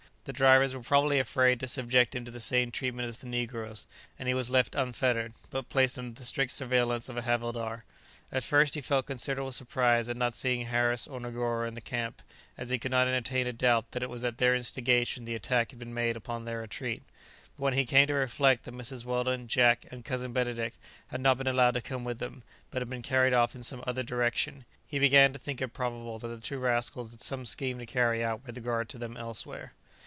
The drivers were probably afraid to subject him to the same treatment as the negroes, and he was left unfettered, but placed under the strict surveillance of a havildar. At first he felt considerable surprise at not seeing Harris or Negoro in the camp, as he could not entertain a doubt that it was at their instigation the attack had been made upon their retreat; but when he came to reflect that Mrs. Weldon, Jack, and Cousin Benedict had not been allowed to come with them, but had been carried off in some other direction, he began to think it probable that the two rascals had some scheme to carry out with regard to them elsewhere.